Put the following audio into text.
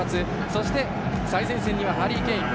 そして最前線にはハリー・ケイン。